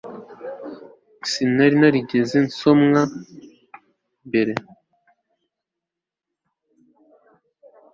Sinari narigeze nsomwa mbere